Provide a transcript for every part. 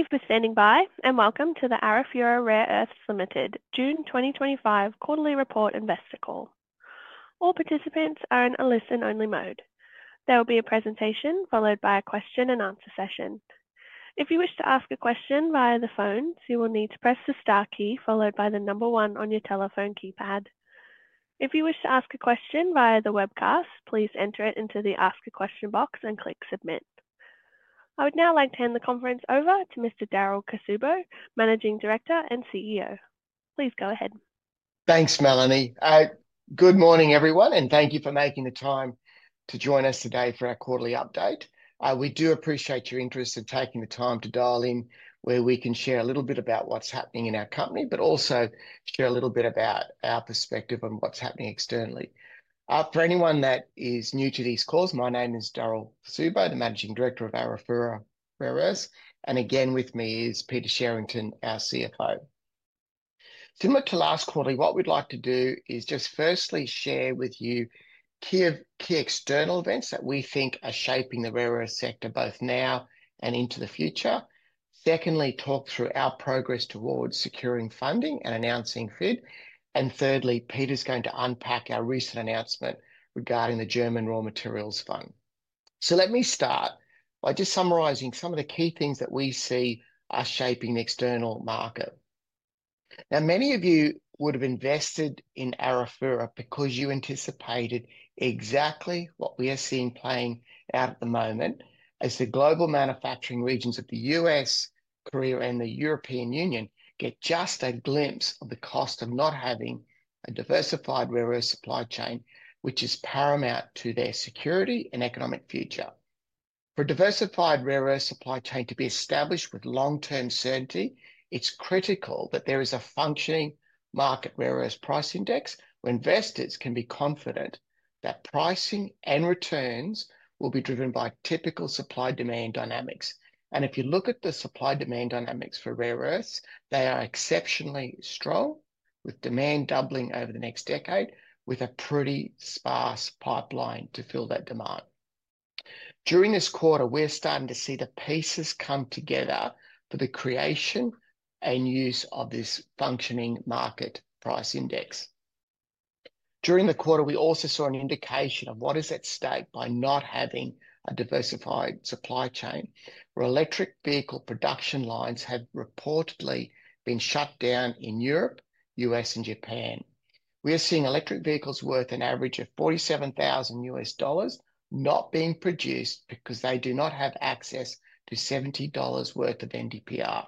Thank you for standing by and welcome to the Arafura Rare Earths Ltd June 2025 quarterly report investor call. All participants are in a listen-only mode. There will be a presentation followed by a question and answer session. If you wish to ask a question via the phone, you will need to press the star key followed by the number one on your telephone keypad. If you wish to ask a question via the webcast, please enter it into the ask a question box and click submit. I would now like to hand the conference over to Mr. Darryl Cuzzubbo, Managing Director and CEO. Please go ahead. Thanks, Melanie. Good morning, everyone, and thank you for making the time to join us today for our quarterly update. We do appreciate your interest in taking the time to dial in where we can share a little bit about what's happening in our company, but also share a little bit about our perspective on what's happening externally. For anyone that is new to these calls, my name is Darryl Cuzzubbo, the Managing Director of Arafura Rare Earths, and again with me is Peter Sherrington, our CFO. Similar to last quarter, what we'd like to do is just firstly share with you key external events that we think are shaping the rare earth sector both now and into the future. Secondly, talk through our progress towards securing funding and announcing FID. Thirdly, Peter's going to unpack our recent announcement regarding the German Raw Materials Fund. Let me start by just summarizing some of the key things that we see are shaping the external market. Now, many of you would have invested in Arafura because you anticipated exactly what we are seeing playing out at the moment, as the global manufacturing regions of the U.S., Korea, and the European Union get just a glimpse of the cost of not having a diversified rare earth supply chain, which is paramount to their security and economic future. For a diversified rare earth supply chain to be established with long-term certainty, it's critical that there is a functioning market rare earths price index where investors can be confident that pricing and returns will be driven by typical supply-demand dynamics. If you look at the supply-demand dynamics for rare earths, they are exceptionally strong, with demand doubling over the next decade, with a pretty sparse pipeline to fill that demand. During this quarter, we're starting to see the pieces come together for the creation and use of this functioning market price index. During the quarter, we also saw an indication of what is at stake by not having a diversified supply chain, where electric vehicle production lines have reportedly been shut down in Europe, the U.S., and Japan. We are seeing electric vehicles worth an average of $47,000 not being produced because they do not have access to $70 worth of NdPr.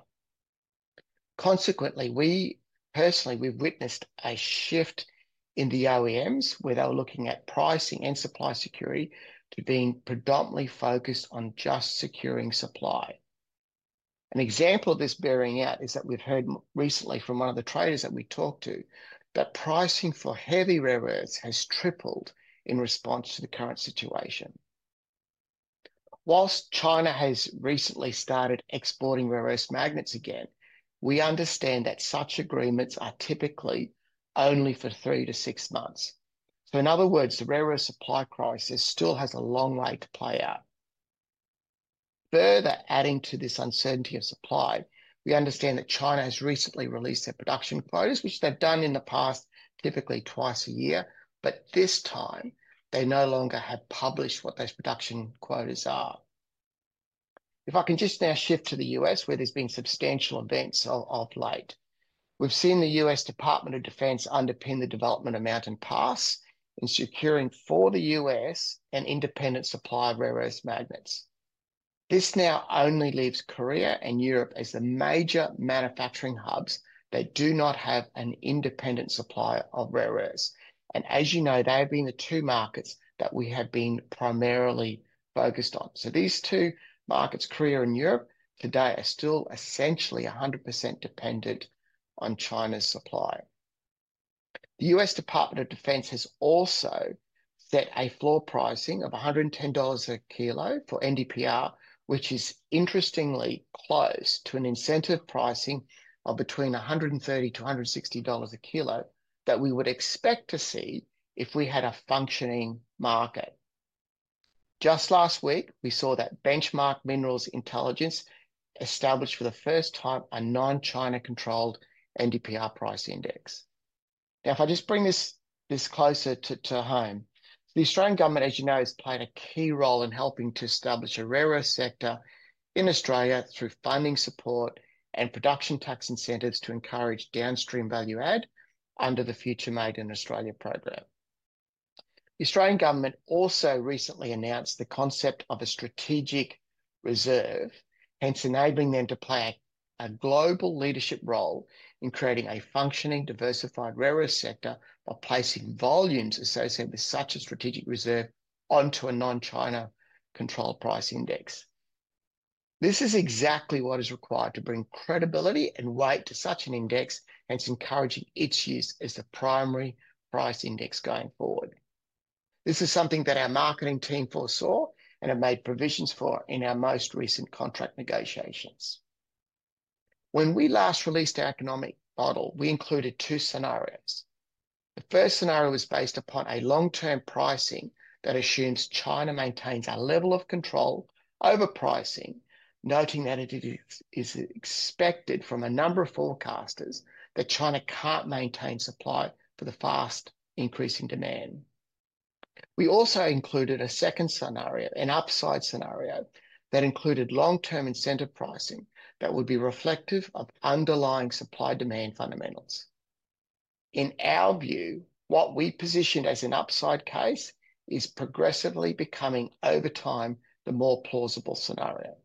Consequently, we personally, we've witnessed a shift in the OEMs where they were looking at pricing and supply security to being predominantly focused on just securing supply. An example of this bearing out is that we've heard recently from one of the traders that we talked to that pricing for heavy rare earths has tripled in response to the current situation. Whilst China has recently started exporting rare earths magnets again, we understand that such agreements are typically only for three to six months. In other words, the rare earth supply crisis still has a long leg to play out. Further adding to this uncertainty of supply, we understand that China has recently released their production quotas, which they've done in the past typically twice a year, but this time they no longer have published what those production quotas are. If I can just now shift to the U.S., where there's been substantial events of late. We've seen the U.S. Department of Defense underpin the development of Mountain Pass in securing for the U.S. an independent supplier of rare earths magnets. This now only leaves Korea and Europe as the major manufacturing hubs that do not have an independent supplier of rare earths. As you know, they have been the two markets that we have been primarily focused on. These two markets, Korea and Europe, today are still essentially 100% dependent on China's supply. The U.S. Department of Defense has also set a floor pricing of $110 a kilo for NdPr, which is interestingly close to an incentive pricing of between $130 to $160 a kilo that we would expect to see if we had a functioning market. Just last week, we saw that Benchmark Minerals Intelligence established for the first time a non-China controlled NdPr price index. If I just bring this closer to home, the Australian government, as you know, is playing a key role in helping to establish a rare earth sector in Australia through funding support and production tax incentives to encourage downstream value add under the Future Made in Australia program. The Australian government also recently announced the concept of a strategic reserve, hence enabling them to play a global leadership role in creating a functioning diversified rare earth sector by placing volumes associated with such a strategic reserve onto a non-China controlled price index. This is exactly what is required to bring credibility and weight to such an index, and it's encouraging its use as the primary price index going forward. This is something that our marketing team foresaw and have made provisions for in our most recent contract negotiations. When we last released our economic model, we included two scenarios. The first scenario was based upon a long-term pricing that assumes China maintains a level of control over pricing, noting that it is expected from a number of forecasters that China can't maintain supply for the fast increase in demand. We also included a second scenario, an upside scenario that included long-term incentive pricing that would be reflective of underlying supply-demand fundamentals. In our view, what we positioned as an upside case is progressively becoming, over time, the more plausible scenario.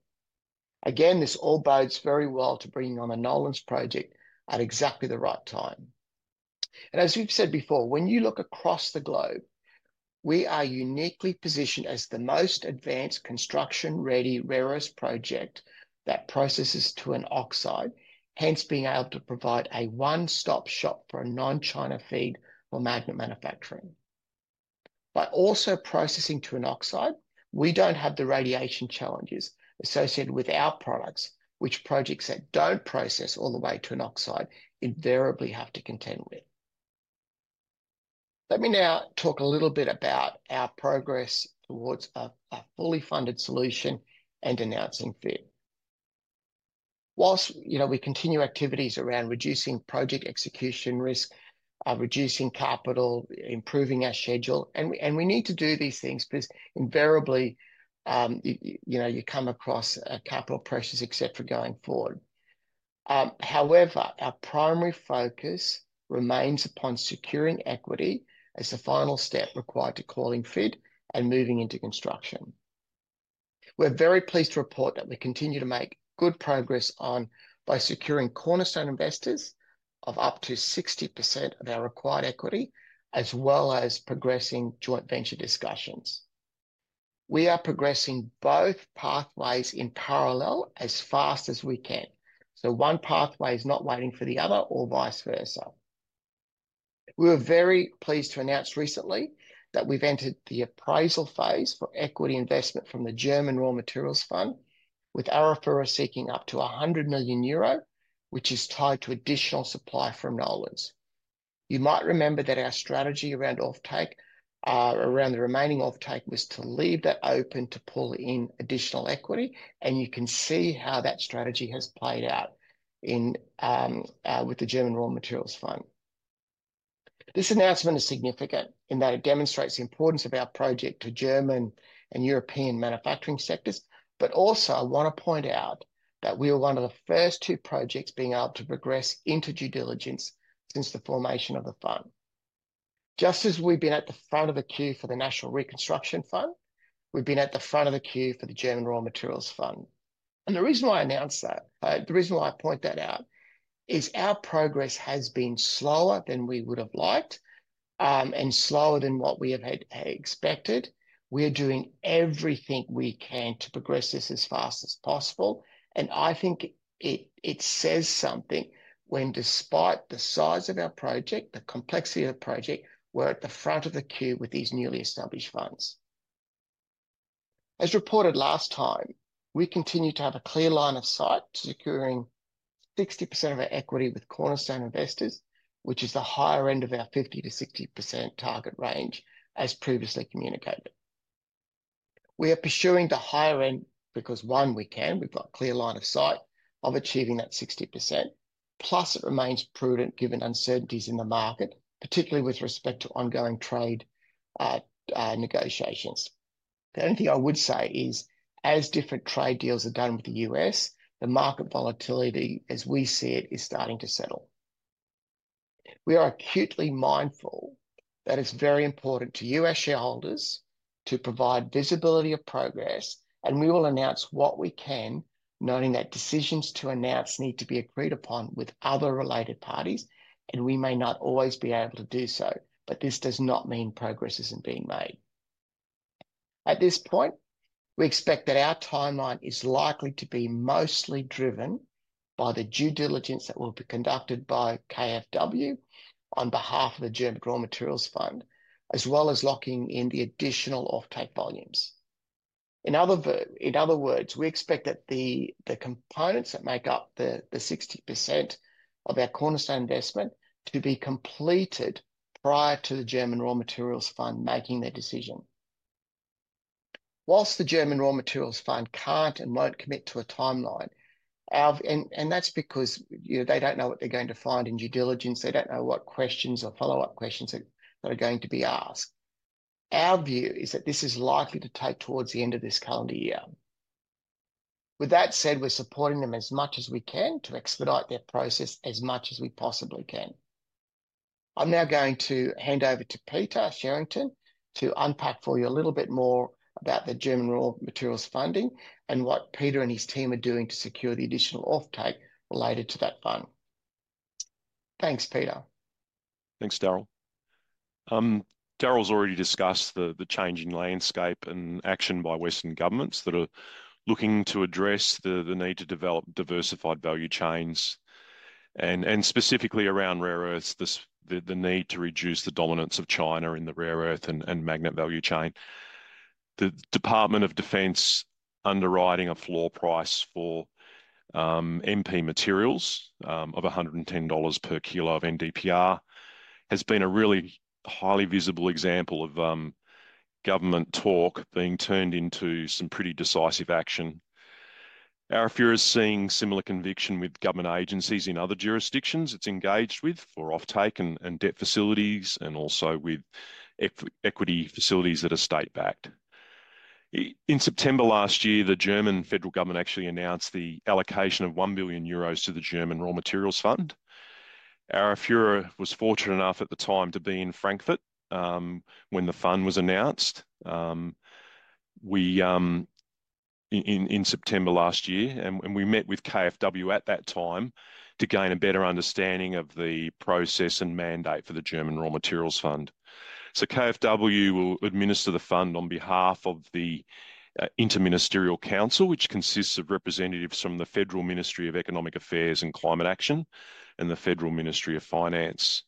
This all bodes very well to bringing on a Nolans Project at exactly the right time. As we've said before, when you look across the globe, we are uniquely positioned as the most advanced construction-ready rare earth project that processes to an oxide, hence being able to provide a one-stop shop for a non-China feed or magnet manufacturing. By also processing to an oxide, we don't have the radiation challenges associated with our products, which projects that don't process all the way to an oxide invariably have to contend with. Let me now talk a little bit about our progress towards a fully funded solution and announcing FID. Whilst we continue activities around reducing project execution risk, reducing capital, improving our schedule, we need to do these things because invariably you come across capital pressures, etc., going forward. However, our primary focus remains upon securing equity as the final step required to call in FID and moving into construction. We're very pleased to report that we continue to make good progress on by securing cornerstone investors of up to 60% of our required equity, as well as progressing joint venture discussions. We are progressing both pathways in parallel as fast as we can. One pathway is not waiting for the other or vice versa. We were very pleased to announce recently that we've entered the appraisal phase for equity investment from the German Raw Materials Fund, with Arafura seeking up to 100 million euro, which is tied to additional supply from Nolans. You might remember that our strategy around offtake around the remaining offtake was to leave that open to pull in additional equity, and you can see how that strategy has played out with the German Raw Materials Fund. This announcement is significant in that it demonstrates the importance of our project to German and European manufacturing sectors, but also I want to point out that we are one of the first two projects being able to progress into due diligence since the formation of the fund. Just as we've been at the front of the queue for the National Reconstruction Fund, we've been at the front of the queue for the German Raw Materials Fund. The reason why I announced that, the reason why I point that out, is our progress has been slower than we would have liked and slower than what we have expected. We are doing everything we can to progress this as fast as possible, and I think it says something when, despite the size of our project, the complexity of the project, we're at the front of the queue with these newly established funds. As reported last time, we continue to have a clear line of sight securing 60% of our equity with cornerstone investors, which is the higher end of our 50% to 60% target range, as previously communicated. We are pursuing the higher end because, one, we can, we've got a clear line of sight of achieving that 60%, plus it remains prudent given uncertainties in the market, particularly with respect to ongoing trade negotiations. The only thing I would say is, as different trade deals are done with the U.S., the market volatility, as we see it, is starting to settle. We are acutely mindful that it's very important to U.S. shareholders to provide visibility of progress, and we will announce what we can, noting that decisions to announce need to be agreed upon with other related parties, and we may not always be able to do so, but this does not mean progress isn't being made. At this point, we expect that our timeline is likely to be mostly driven by the due diligence that will be conducted by KfW on behalf of the German Raw Materials Fund, as well as locking in the additional offtake volumes. In other words, we expect that the components that make up the 60% of our cornerstone investment to be completed prior to the German Raw Materials Fund making their decision. Whilst the German Raw Materials Fund can't and won't commit to a timeline, and that's because they don't know what they're going to find in due diligence, they don't know what questions or follow-up questions that are going to be asked. Our view is that this is likely to take towards the end of this calendar year. With that said, we're supporting them as much as we can to expedite their process as much as we possibly can. I'm now going to hand over to Peter Sherrington to unpack for you a little bit more about the German Raw Materials Fund and what Peter and his team are doing to secure the additional offtake related to that fund. Thanks, Peter. Thanks, Darryl. Darryl's already discussed the changing landscape and action by Western governments that are looking to address the need to develop diversified value chains, and specifically around rare earths, the need to reduce the dominance of China in the rare earth and magnet value chain. The U.S. Department of Defense underwriting a floor price for MP Materials of $110 per kilo of NdPr has been a really highly visible example of government talk being turned into some pretty decisive action. Arafura Rare Earths Limited is seeing similar conviction with government agencies in other jurisdictions it's engaged with for offtake and debt facilities, and also with equity facilities that are state-backed. In September 2023, the German federal government actually announced the allocation of 1 billion euros to the German Raw Materials Fund. Arafura Rare Earths Limited was fortunate enough at the time to be in Frankfurt when the fund was announced in September 2023, and we met with KfW at that time to gain a better understanding of the process and mandate for the German Raw Materials Fund. KfW will administer the fund on behalf of the Interministerial Council, which consists of representatives from the Federal Ministry of Economic Affairs and Climate Action and the Federal Ministry of Finance.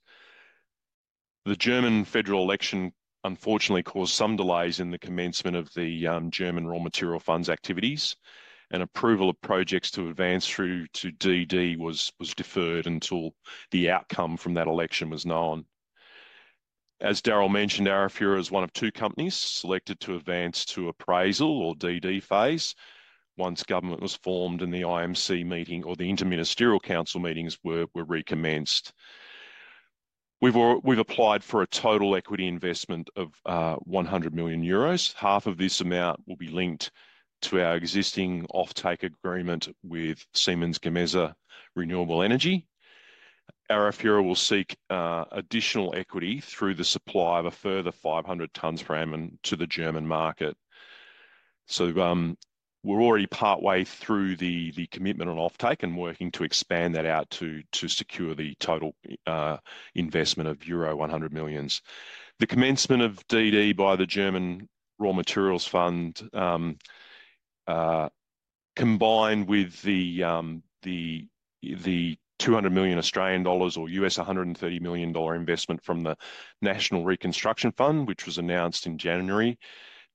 The German federal election unfortunately caused some delays in the commencement of the German Raw Materials Fund's activities, and approval of projects to advance through to due diligence was deferred until the outcome from that election was known. As Darryl mentioned, Arafura is one of two companies selected to advance to appraisal or due diligence phase once government was formed and the Interministerial Council meetings were recommenced. We've applied for a total equity investment of 100 million euros. Half of this amount will be linked to our existing offtake agreement with Siemens Gamesa Renewable Energy. Arafura Rare Earths Limited will seek additional equity through the supply of a further 500 tons for ammon to the German market. We're already partway through the commitment on offtake and working to expand that out to secure the total investment of euro 100 million. The commencement of DD by the German Raw Materials Fund, combined with the $200 million Australian dollars or U.S. $130 million investment from the National Reconstruction Fund, which was announced in January,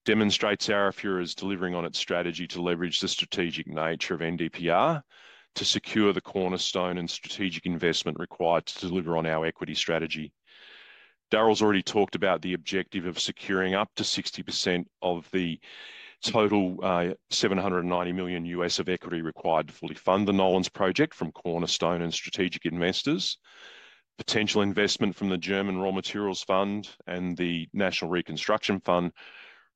demonstrates Arafura is delivering on its strategy to leverage the strategic nature of NdPr to secure the cornerstone and strategic investment required to deliver on our equity strategy. Darryl's already talked about the objective of securing up to 60% of the total $790 million U.S. of equity required to fully fund the Nolans Project from cornerstone and strategic investors. Potential investment from the German Raw Materials Fund and the National Reconstruction Fund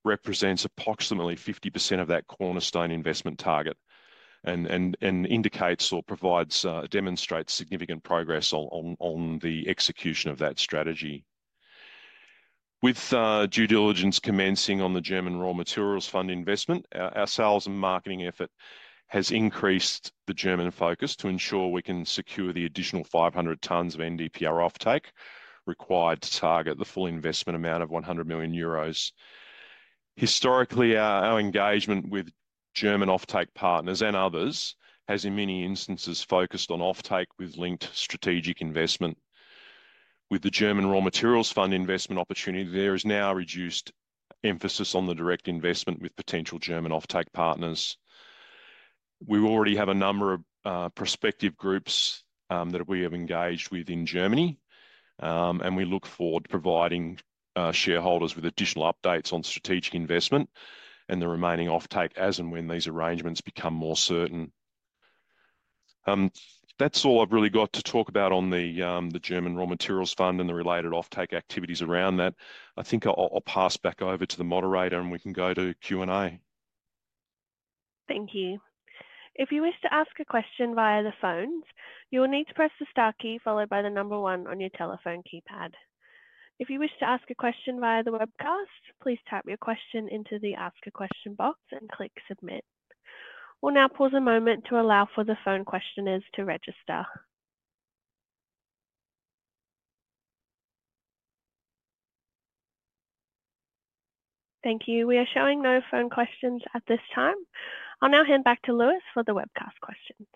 represents approximately 50% of that cornerstone investment target and indicates or provides demonstrates significant progress on the execution of that strategy. With due diligence commencing on the German Raw Materials Fund investment, our sales and marketing effort has increased the German focus to ensure we can secure the additional 500 tons of NdPr offtake required to target the full investment amount of 100 million euros. Historically, our engagement with German offtake partners and others has in many instances focused on offtake with linked strategic investment. With the German Raw Materials Fund investment opportunity, there is now a reduced emphasis on the direct investment with potential German offtake partners. We already have a number of prospective groups that we have engaged with in Germany, and we look forward to providing shareholders with additional updates on strategic investment and the remaining offtake as and when these arrangements become more certain. That's all I've really got to talk about on the German Raw Materials Fund and the related offtake activities around that. I think I'll pass back over to the moderator, and we can go to Q&A. Thank you. If you wish to ask a question via the phones, you will need to press the star key followed by the number one on your telephone keypad. If you wish to ask a question via the webcast, please type your question into the ask a question box and click submit. We'll now pause a moment to allow for the phone questioners to register. Thank you. We are showing no phone questions at this time. I'll now hand back to Lewis for the webcast questions.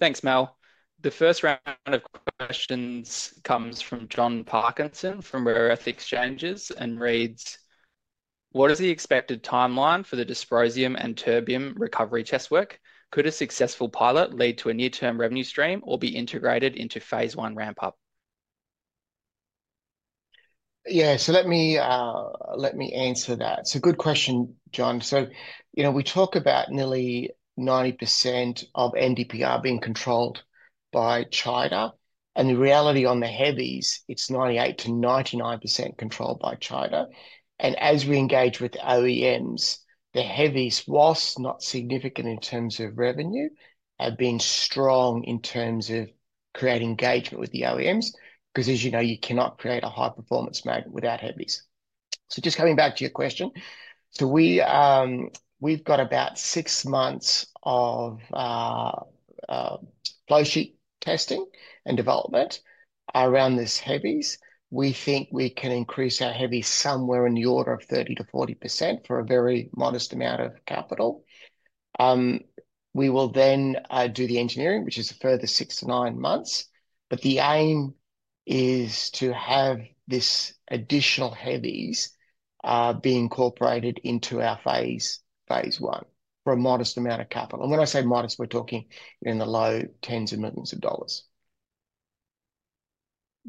Thanks, Mel. The first round of questions comes from John Parkinson from Rare Earth Exchanges and reads, "What is the expected timeline for the dysprosium and terbium recovery test work? Could a successful pilot lead to a near-term revenue stream or be integrated into phase I ramp-up? Yeah, let me answer that. It's a good question, John. We talk about nearly 90% of NdPr being controlled by China, and the reality on the heavies is it's 98% to 99% controlled by China. As we engage with OEMs, the heavies, whilst not significant in terms of revenue, have been strong in terms of creating engagement with the OEMs because, as you know, you cannot create a high-performance magnet without heavies. Just coming back to your question, we've got about six months of flow sheet testing and development around these heavies. We think we can increase our heavies somewhere in the order of 30% to 40% for a very modest amount of capital. We will then do the engineering, which is a further six to nine months. The aim is to have this additional heavies be incorporated into our phase I for a modest amount of capital. When I say modest, we're talking in the low tens of millions of dollars.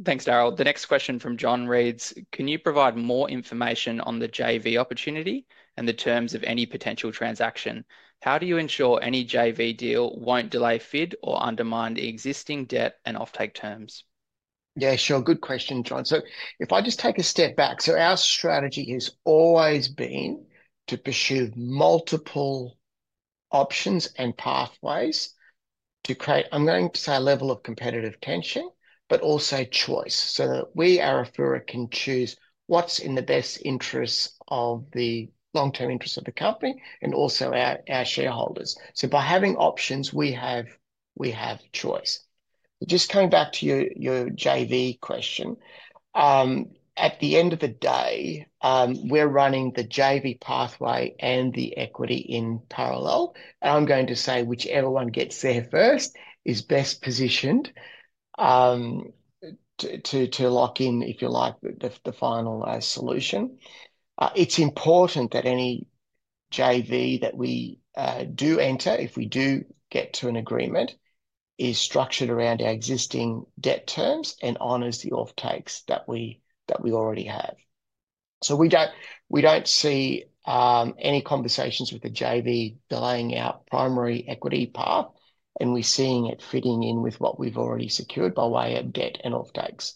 Thanks, Darryl. The next question from John reads, "Can you provide more information on the JV opportunity and the terms of any potential transaction? How do you ensure any JV deal won't delay FID or undermine existing debt and offtake terms? Yeah, sure. Good question, John. If I just take a step back, our strategy has always been to pursue multiple options and pathways to create, I'm going to say, a level of competitive tension, but also choice so that we at Arafura can choose what's in the best interests of the long-term interests of the company and also our shareholders. By having options, we have choice. Just coming back to your JV question, at the end of the day, we're running the JV pathway and the equity in parallel. I'm going to say whichever one gets there first is best positioned to lock in, if you like, the final solution. It's important that any JV that we do enter, if we do get to an agreement, is structured around our existing debt terms and honors the offtakes that we already have. We don't see any conversations with the JV delaying our primary equity path, and we're seeing it fitting in with what we've already secured by way of debt and offtakes.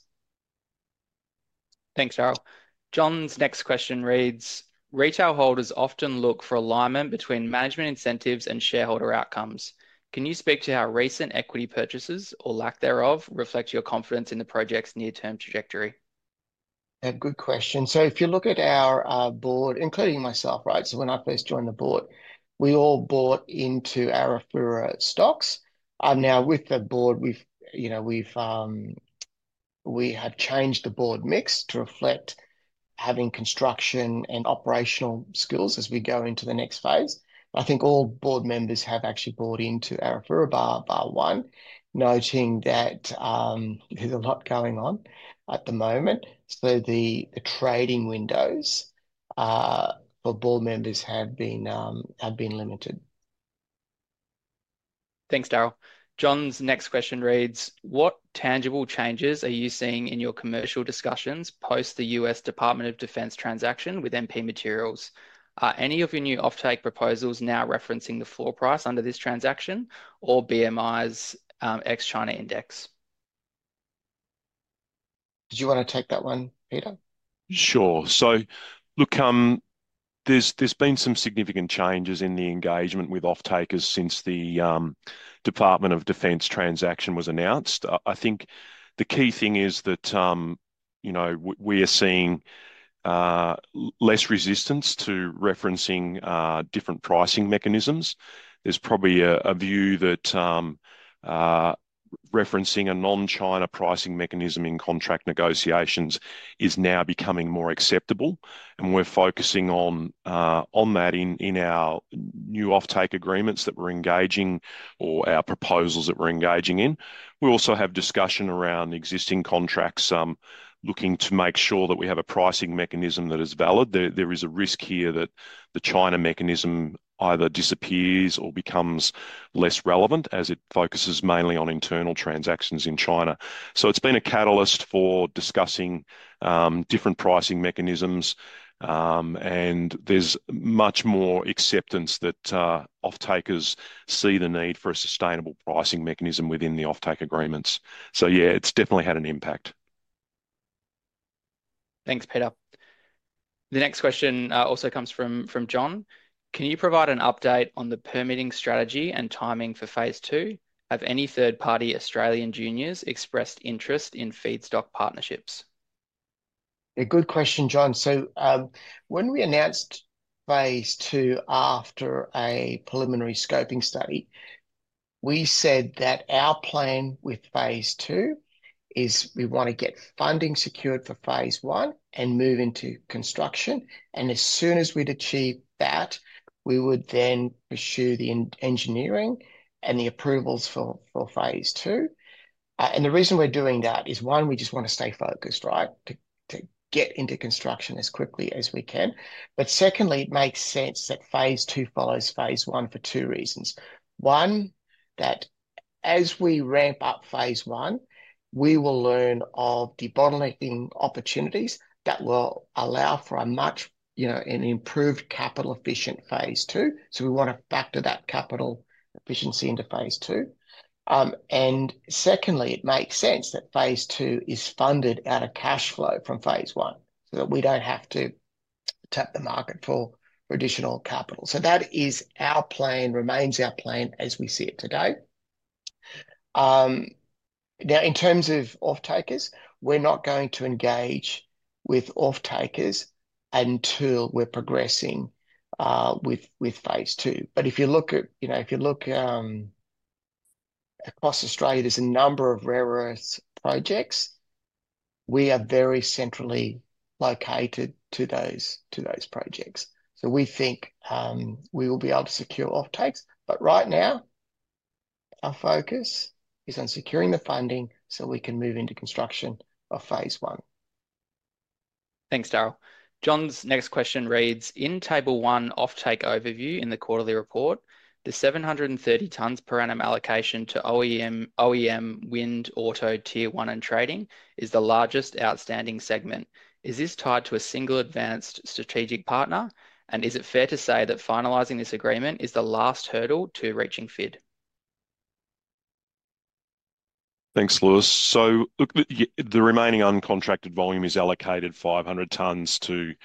Thanks, Darryl. John's next question reads, "Retail holders often look for alignment between management incentives and shareholder outcomes. Can you speak to how recent equity purchases, or lack thereof, reflect your confidence in the project's near-term trajectory? Good question. If you look at our board, including myself, when I first joined the board, we all bought into Arafura stocks. Now, with the board, we've changed the board mix to reflect having construction and operational skills as we go into the next phase. I think all board members have actually bought into Arafura bar one, noting that there's a lot going on at the moment, so the trading windows for board members have been limited. Thanks, Darryl. John's next question reads, "What tangible changes are you seeing in your commercial discussions post the U.S. Department of Defense transaction with MP Materials? Are any of your new offtake proposals now referencing the floor price under this transaction or BMI's ex-China index? Did you want to take that one, Peter? Sure. So look, there's been some significant changes in the engagement with offtakers since the U.S. Department of Defense transaction was announced. I think the key thing is that we are seeing less resistance to referencing different pricing mechanisms. There's probably a view that referencing a non-China pricing mechanism in contract negotiations is now becoming more acceptable, and we're focusing on that in our new offtake agreements that we're engaging or our proposals that we're engaging in. We also have discussion around existing contracts looking to make sure that we have a pricing mechanism that is valid. There is a risk here that the China mechanism either disappears or becomes less relevant as it focuses mainly on internal transactions in China. It's been a catalyst for discussing different pricing mechanisms, and there's much more acceptance that offtakers see the need for a sustainable pricing mechanism within the offtake agreements. Yeah, it's definitely had an impact. Thanks, Peter. The next question also comes from John. "Can you provide an update on the permitting strategy and timing for phase II? Have any third-party Australian juniors expressed interest in feedstock partnerships? Yeah, good question, John. When we announced phase II after a preliminary scoping study, we said that our plan with phase II is we want to get funding secured for phase I and move into construction. As soon as we'd achieve that, we would then pursue the engineering and the approvals for phase II The reason we're doing that is, one, we just want to stay focused, right, to get into construction as quickly as we can. Secondly, it makes sense that phase II follows phase I for two reasons. One, that as we ramp up phase I, we will learn of debottling opportunities that will allow for a much, you know, an improved capital-efficient phase II. We want to factor that capital efficiency into phase II Secondly, it makes sense that phase II is funded out of cash flow from phase I so that we don't have to tap the market for additional capital. That is our plan, remains our plan as we see it today. In terms of offtakers, we're not going to engage with offtakers until we're progressing with phase II. If you look at, you know, if you look across Australia, there's a number of rare earth projects. We are very centrally located to those projects. We think we will be able to secure offtakes. Right now, our focus is on securing the funding so we can move into construction of phase I. Thanks, Darryl. John's next question reads, "In table one, offtake overview in the quarterly report, the 730 tons per annum allocation to OEM wind auto tier one and trading is the largest outstanding segment. Is this tied to a single advanced strategic partner, and is it fair to say that finalizing this agreement is the last hurdle to reaching FID? Thanks, Lewis. The remaining uncontracted volume is allocated 500 tons to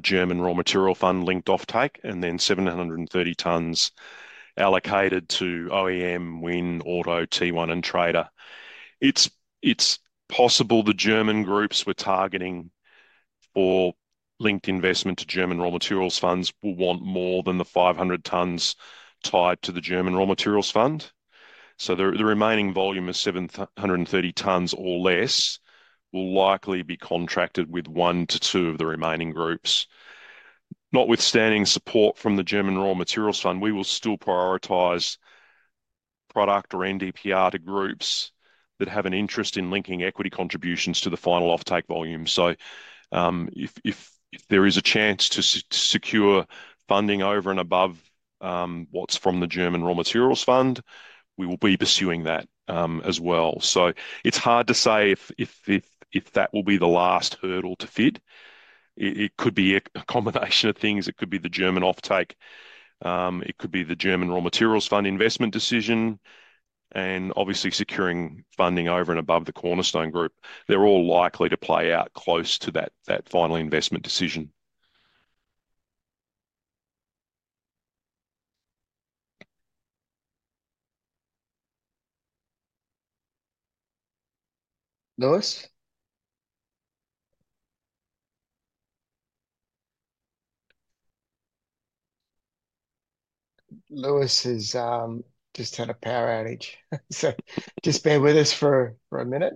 German Raw Materials Fund linked offtake, and 730 tons allocated to OEM wind auto tier one and trader. It's possible the German groups we're targeting or linked investment to German Raw Materials Fund will want more than the 500 tons tied to the German Raw Materials Fund. The remaining volume of 730 tons or less will likely be contracted with one to two of the remaining groups. Notwithstanding support from the German Raw Materials Fund, we will still prioritize product or NdPr to groups that have an interest in linking equity contributions to the final offtake volume. If there is a chance to secure funding over and above what's from the German Raw Materials Fund, we will be pursuing that as well. It's hard to say if that will be the last hurdle to FID. It could be a combination of things. It could be the German offtake. It could be the German Raw Materials Fund investment decision, and obviously securing funding over and above the cornerstone group. They're all likely to play out close to that final investment decision. Lewis? Lewis has just had a power outage, so just bear with us for a minute.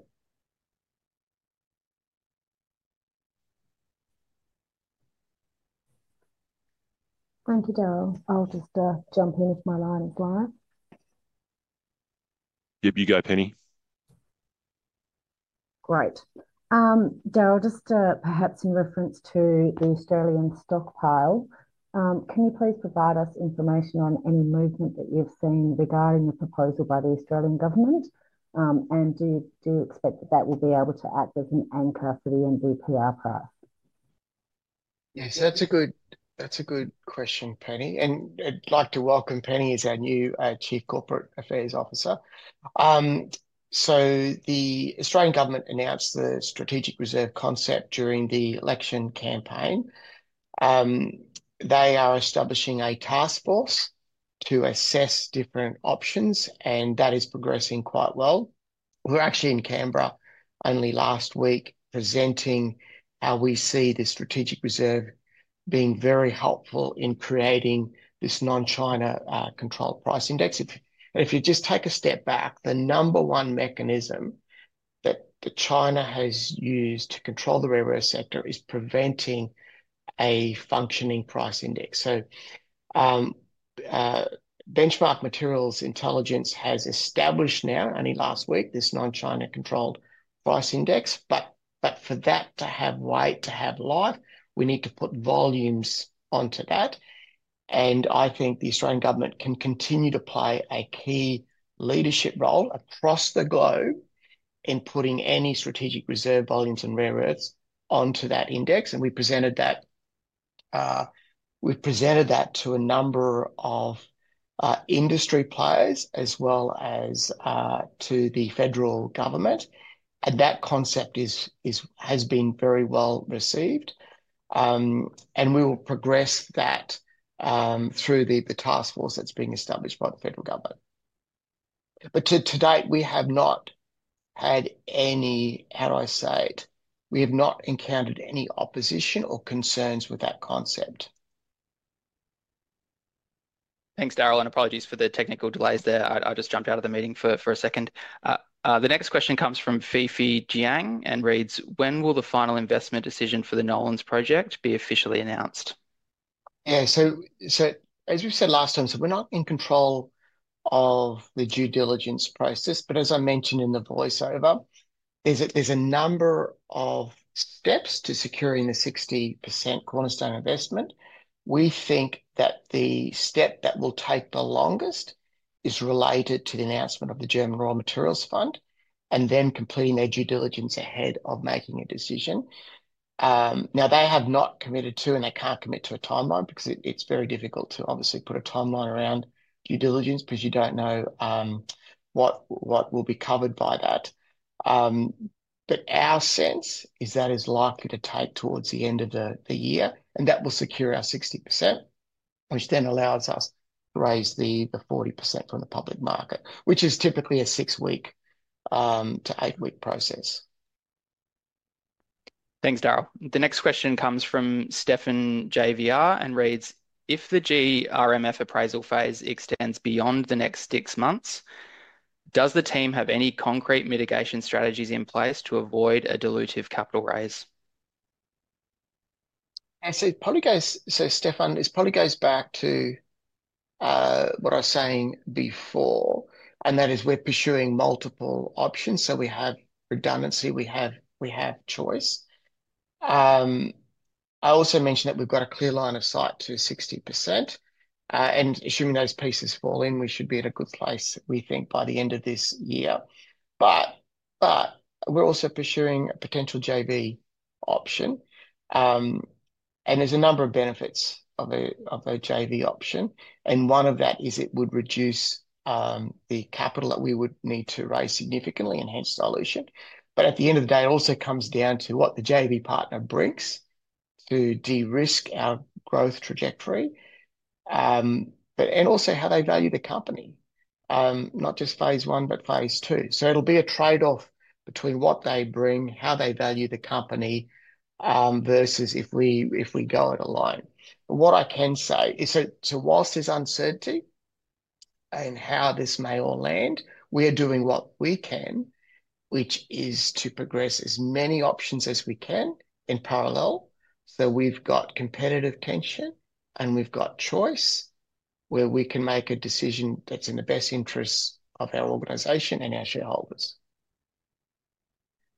Thank you, Darryl. I'll just jump in here with my line of fire. Yep, you go, Penny. Great. Darryl, just perhaps in reference to the Australian stockpile, can you please provide us information on any movement that you've seen regarding the proposal by the Australian government? Do you expect that that will be able to act as an anchor for the NdPr price? Yes, that's a good question, Penny. I'd like to welcome Penny as our new Chief Corporate Affairs Officer. The Australian government announced the strategic reserve concept during the election campaign. They are establishing a task force to assess different options, and that is progressing quite well. We were actually in Canberra only last week presenting how we see the strategic reserve being very helpful in creating this non-China controlled price index. If you just take a step back, the number one mechanism that China has used to control the rare earth sector is preventing a functioning price index. Benchmark Minerals Intelligence has established now only last week this non-China controlled price index. For that to have weight, to have life, we need to put volumes onto that. I think the Australian government can continue to play a key leadership role across the globe in putting any strategic reserve volumes in rare earths onto that index. We presented that to a number of industry players as well as to the federal government. That concept has been very well received. We will progress that through the task force that's being established by the federal government. To date, we have not had any, how do I say it, we have not encountered any opposition or concerns with that concept. Thanks, Darryl, and apologies for the technical delays there. I just jumped out of the meeting for a second. The next question comes from Fifi Jiang and reads, "When will the final investment decision for the Nolans Project be officially announced? Yeah, as we said last time, we're not in control of the due diligence process. As I mentioned in the voiceover, there's a number of steps to securing the 60% cornerstone investment. We think that the step that will take the longest is related to the announcement of the German Raw Materials Fund and then completing their due diligence ahead of making a decision. They have not committed to, and they can't commit to, a timeline because it's very difficult to obviously put a timeline around due diligence because you don't know what will be covered by that. Our sense is that is likely to take towards the end of the year, and that will secure our 60%, which then allows us to raise the 40% from the public market, which is typically a six-week to eight-week process. Thanks, Darryl. The next question comes from Stefan JVR and reads, "If the GRMF appraisal phase extends beyond the next six months, does the team have any concrete mitigation strategies in place to avoid a dilutive capital raise? Stefan, this probably goes back to what I was saying before, and that is we're pursuing multiple options. We have redundancy. We have choice. I also mentioned that we've got a clear line of sight to 60%. Assuming those pieces fall in, we should be at a good place, we think, by the end of this year. We're also pursuing a potential joint venture option. There are a number of benefits of the joint venture option. One of those is it would reduce the capital that we would need to raise significantly and hence dilution. At the end of the day, it also comes down to what the joint venture partner brings to de-risk our growth trajectory, and also how they value the company, not just phase I, but phase II. It'll be a trade-off between what they bring, how they value the company, versus if we go it alone. What I can say is, whilst there's uncertainty in how this may all land, we are doing what we can, which is to progress as many options as we can in parallel so that we've got competitive tension and we've got choice where we can make a decision that's in the best interests of our organization and our shareholders.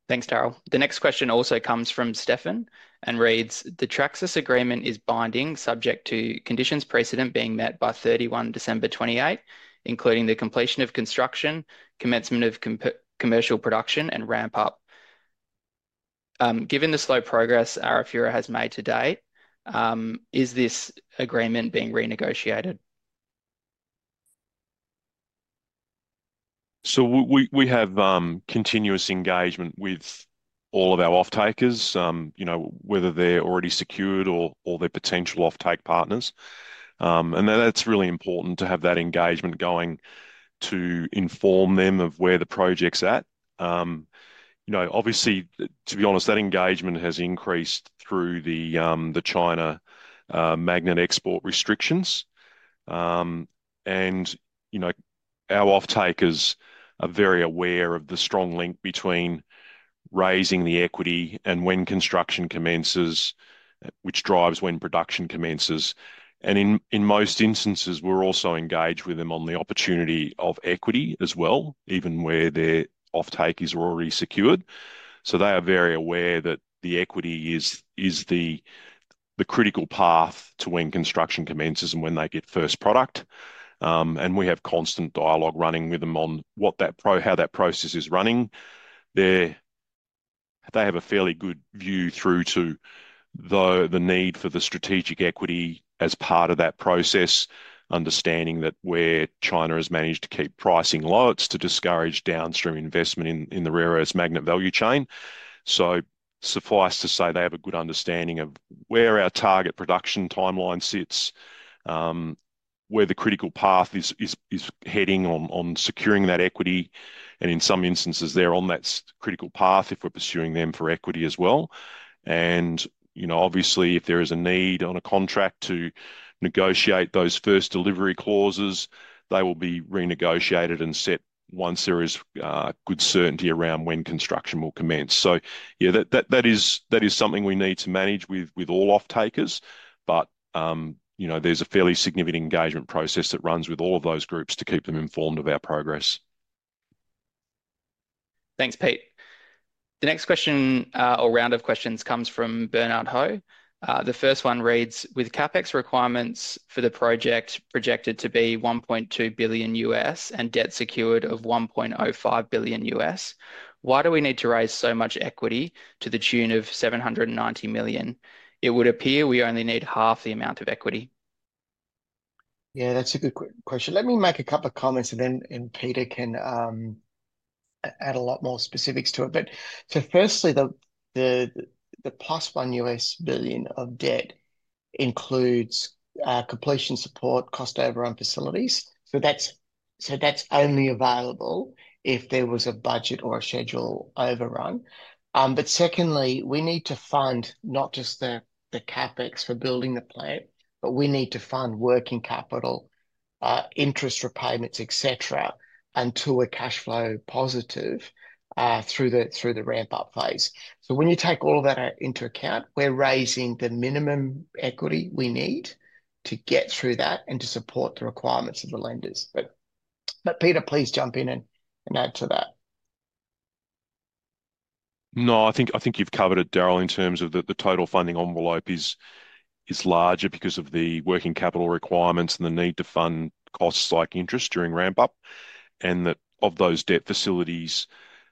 Thanks, Darryl. The next question also comes from Stefan and reads, "The Traxys agreement is binding subject to conditions precedent being met by 31 December 2028, including the completion of construction, commencement of commercial production, and ramp-up. Given the slow progress Arafura has made to date, is this agreement being renegotiated? We have continuous engagement with all of our offtakers, whether they're already secured or they're potential offtake partners. That's really important to have that engagement going to inform them of where the project's at. To be honest, that engagement has increased through the China magnet export restrictions. Our offtakers are very aware of the strong link between raising the equity and when construction commences, which drives when production commences. In most instances, we're also engaged with them on the opportunity of equity as well, even where their offtakers are already secured. They are very aware that the equity is the critical path to when construction commences and when they get first product. We have constant dialogue running with them on how that process is running. They have a fairly good view through to the need for the strategic equity as part of that process, understanding that where China has managed to keep pricing lower, it's to discourage downstream investment in the rare earths magnet value chain. Suffice to say they have a good understanding of where our target production timeline sits, where the critical path is heading on securing that equity. In some instances, they're on that critical path if we're pursuing them for equity as well. Obviously, if there is a need on a contract to negotiate those first delivery clauses, they will be renegotiated and set once there is good certainty around when construction will commence. That is something we need to manage with all offtakers. There's a fairly significant engagement process that runs with all of those groups to keep them informed of our progress. Thanks, Pete. The next question or round of questions comes from Bernard Ho. The first one reads, "With CapEx requirements for the project projected to be $1.2 billion and debt secured of $1.05 billion, why do we need to raise so much equity to the tune of $790 million? It would appear we only need half the amount of equity. Yeah, that's a good question. Let me make a couple of comments, and then Peter can add a lot more specifics to it. Firstly, the plus $1 billion of debt includes our completion support cost overrun facilities. That's only available if there was a budget or a schedule overrun. Secondly, we need to fund not just the CapEx for building the plant, but we need to fund working capital, interest repayments, etc., until we're cash flow positive through the ramp-up phase. When you take all of that into account, we're raising the minimum equity we need to get through that and to support the requirements of the lenders. Peter, please jump in and add to that. No, I think you've covered it, Darryl, in terms of that the total funding envelope is larger because of the working capital requirements and the need to fund costs like interest during ramp-up. Of those debt facilities,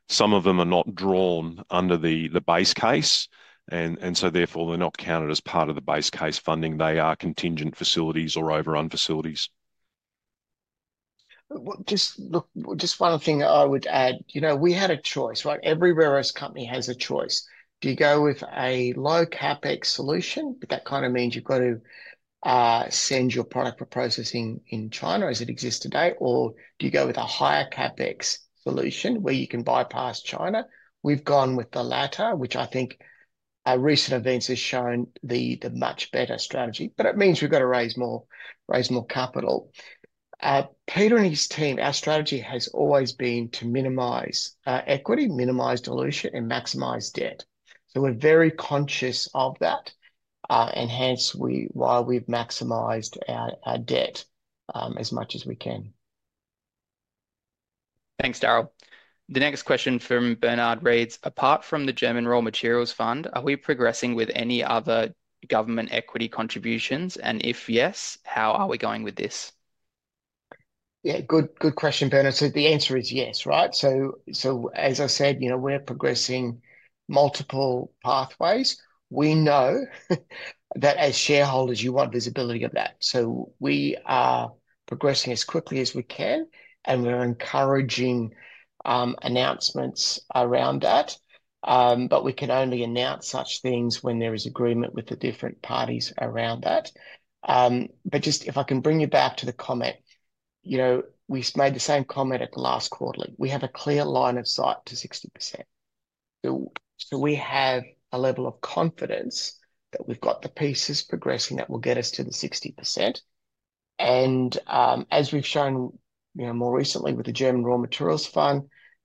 some of them are not drawn under the base case, so therefore they're not counted as part of the base case funding. They are contingent facilities or overrun facilities. Just one other thing that I would add, you know, we had a choice, right? Every rare earth company has a choice. Do you go with a low CapEx solution, but that kind of means you've got to send your product for processing in China as it exists today, or do you go with a higher CapEx solution where you can bypass China? We've gone with the latter, which I think our recent events have shown the much better strategy, but it means we've got to raise more capital. Peter and his team, our strategy has always been to minimize equity, minimize dilution, and maximize debt. We're very conscious of that, and hence why we've maximized our debt as much as we can. Thanks, Darryl. The next question from Bernard reads, "Apart from the German Raw Materials Fund, are we progressing with any other government equity contributions, and if yes, how are we going with this? Yeah, good question, Bernard. The answer is yes, right? As I said, we're progressing multiple pathways. We know that as shareholders, you want visibility of that. We are progressing as quickly as we can, and we're encouraging announcements around that, but we can only announce such things when there is agreement with the different parties around that. If I can bring you back to the comment, we made the same comment at the last quarter. We have a clear line of sight to 60%. We have a level of confidence that we've got the pieces progressing that will get us to the 60%. As we've shown more recently with the German Raw Materials Fund,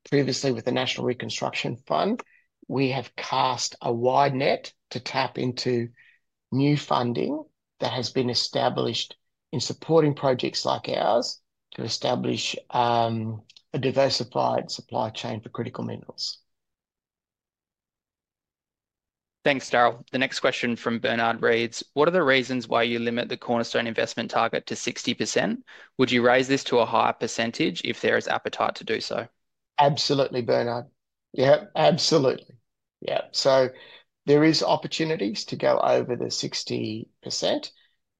previously with the National Reconstruction Fund, we have cast a wide net to tap into new funding that has been established in supporting projects like ours to establish a diversified supply chain for critical minerals. Thanks, Darryl. The next question from Bernard reads, "What are the reasons why you limit the cornerstone investment target to 60%? Would you raise this to a higher percentage if there is appetite to do so? Absolutely, Bernard. Yeah, absolutely. There are opportunities to go over the 60%.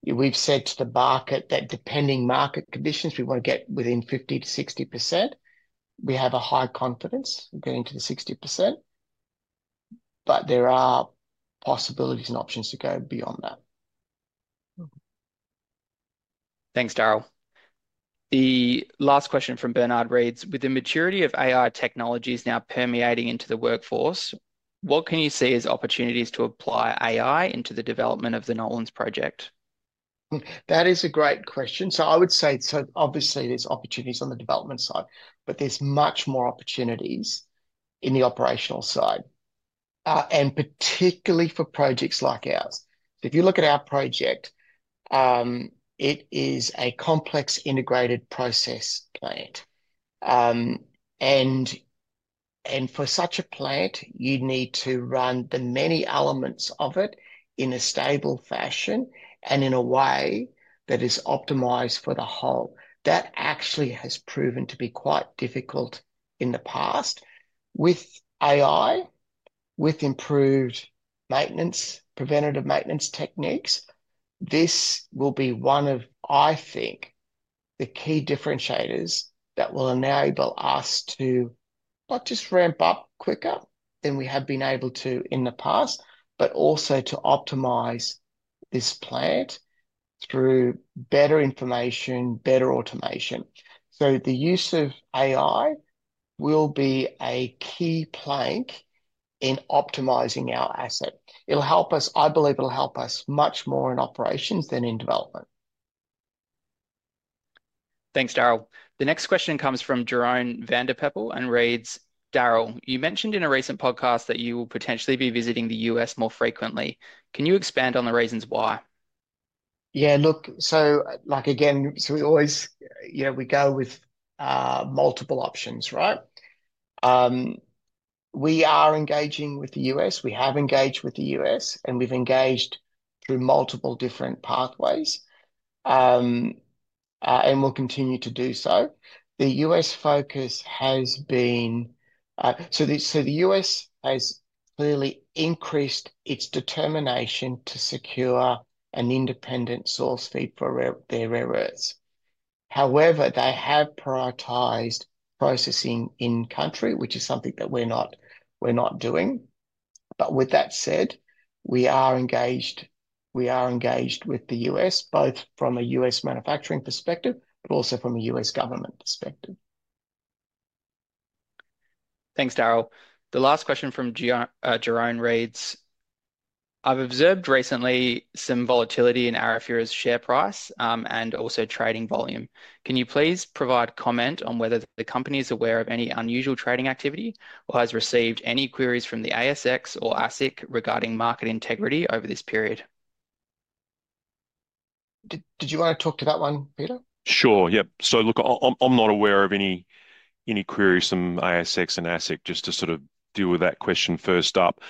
We've said to the market that depending on market conditions, we want to get within 50% to 60%. We have a high confidence of getting to the 60%, but there are possibilities and options to go beyond that. Thanks, Darryl. The last question from Bernard reads, "With the maturity of AI technologies now permeating into the workforce, what can you see as opportunities to apply AI into the development of the Nolans Project? That is a great question. I would say, obviously, there's opportunities on the development side, but there's much more opportunities in the operational side, particularly for projects like ours. If you look at our project, it is a complex integrated process plant. For such a plant, you need to run the many elements of it in a stable fashion and in a way that is optimized for the whole. That actually has proven to be quite difficult in the past. With AI, with improved maintenance, preventative maintenance techniques, this will be one of, I think, the key differentiators that will enable us to not just ramp up quicker than we have been able to in the past, but also to optimize this plant through better information, better automation. The use of AI will be a key plank in optimizing our asset. It'll help us, I believe it'll help us much more in operations than in development. Thanks, Darryl. The next question comes from Jerome van der Peppel and reads, "Darryl, you mentioned in a recent podcast that you will potentially be visiting the U.S. more frequently. Can you expand on the reasons why? Yeah, look, so we always, you know, we go with multiple options, right? We are engaging with the U.S. We have engaged with the U.S., and we've engaged through multiple different pathways, and we'll continue to do so. The U.S. focus has been, the U.S. has clearly increased its determination to secure an independent source feed for their rare earths. However, they have prioritized processing in-country, which is something that we're not doing. With that said, we are engaged with the U.S., both from a U.S. manufacturing perspective, but also from a U.S. government perspective. Thanks, Darryl. The last question from Jerome reads, "I've observed recently some volatility in Arafura's share price and also trading volume. Can you please provide comment on whether the company is aware of any unusual trading activity or has received any queries from the ASX or ASIC regarding market integrity over this period? Did you want to talk to that one, Peter? Sure, yep. I'm not aware of any queries from ASX and ASIC just to sort of deal with that question first up.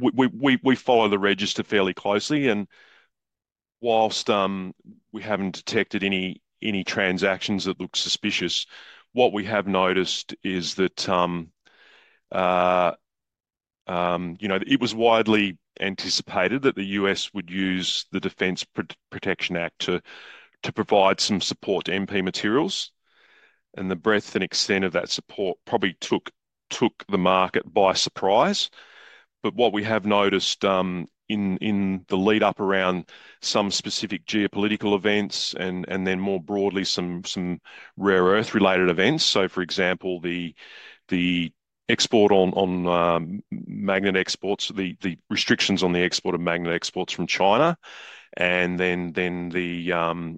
We follow the register fairly closely, and whilst we haven't detected any transactions that look suspicious, what we have noticed is that it was widely anticipated that the U.S. would use the Defense Production Act to provide some support to MP Materials. The breadth and extent of that support probably took the market by surprise. What we have noticed in the lead-up around some specific geopolitical events and then more broadly some rare earth-related events, for example, the restrictions on the export of magnet exports from China, and then the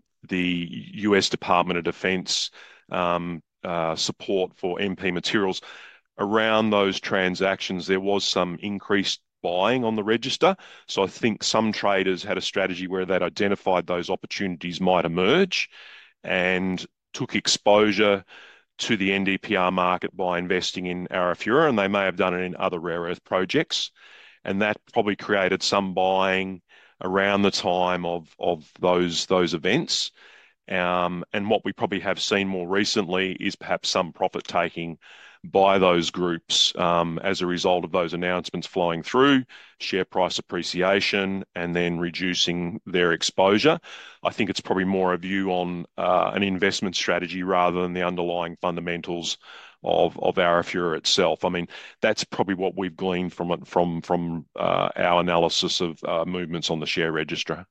U.S. Department of Defense support for MP Materials. Around those transactions, there was some increased buying on the register. I think some traders had a strategy where they'd identified those opportunities might emerge and took exposure to the NdPr market by investing in Arafura, and they may have done it in other rare earth projects. That probably created some buying around the time of those events. What we probably have seen more recently is perhaps some profit-taking by those groups as a result of those announcements flowing through, share price appreciation, and then reducing their exposure. I think it's probably more a view on an investment strategy rather than the underlying fundamentals of Arafura itself. That's probably what we've gleaned from our analysis of movements on the share register.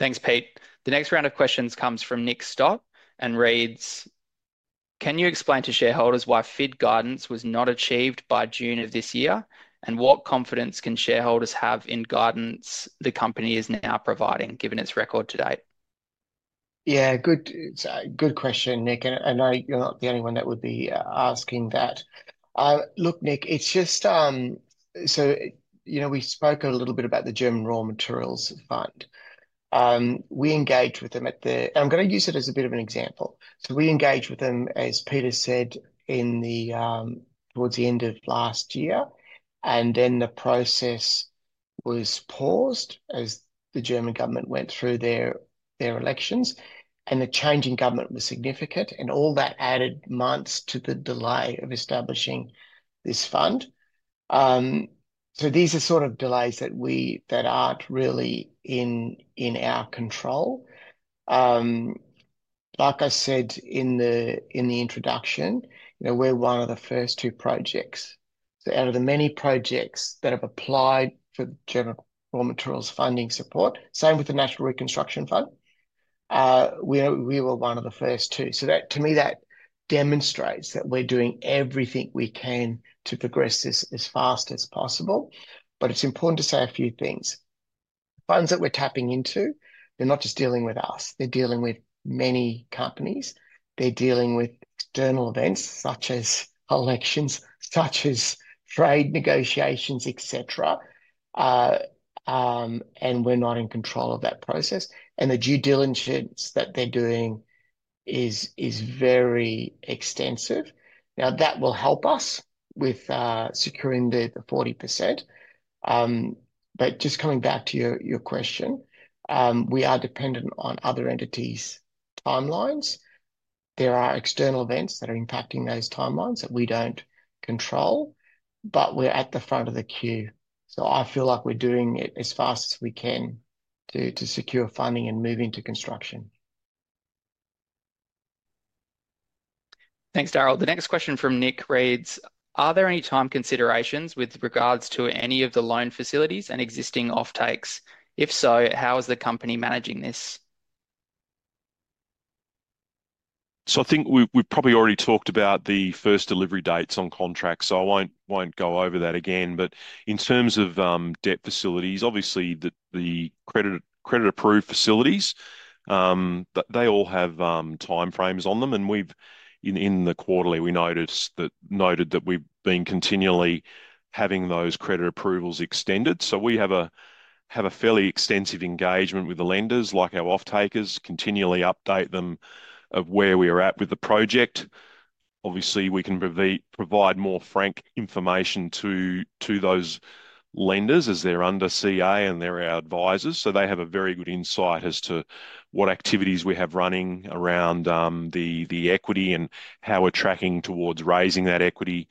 Thanks, Pete. The next round of questions comes from Nick Stott and reads, "Can you explain to shareholders why FID guidance was not achieved by June of this year, and what confidence can shareholders have in guidance the company is now providing, given its record to date? Yeah, good question, Nick. I know you're not the only one that would be asking that. Look, Nick, just so you know, we spoke a little bit about the German Raw Materials Fund. We engaged with them at the, and I'm going to use it as a bit of an example. We engaged with them, as Peter said, towards the end of last year, and then the process was paused as the German government went through their elections. The change in government was significant, and all that added months to the delay of establishing this fund. These are sort of delays that aren't really in our control. Like I said in the introduction, we're one of the first two projects. Out of the many projects that have applied for German Raw Materials funding support, same with the National Reconstruction Fund, we were one of the first two. To me, that demonstrates that we're doing everything we can to progress this as fast as possible. It's important to say a few things. Funds that we're tapping into are not just dealing with us. They're dealing with many companies. They're dealing with external events such as elections, such as trade negotiations, etc., and we're not in control of that process. The due diligence that they're doing is very extensive. That will help us with securing the 40%. Just coming back to your question, we are dependent on other entities' timelines. There are external events that are impacting those timelines that we don't control, but we're at the front of the queue. I feel like we're doing it as fast as we can to secure funding and move into construction. Thanks, Darryl. The next question from Nick reads, "Are there any time considerations with regards to any of the loan facilities and existing offtakes? If so, how is the company managing this? I think we've probably already talked about the first delivery dates on contracts, so I won't go over that again. In terms of debt facilities, obviously, the credit-approved facilities all have time frames on them. In the quarterly, we noted that we've been continually having those credit approvals extended. We have a fairly extensive engagement with the lenders, like our offtakers, and continually update them on where we are at with the project. Obviously, we can provide more frank information to those lenders as they're under CA and they're our advisors. They have a very good insight as to what activities we have running around the equity and how we're tracking towards raising that equity.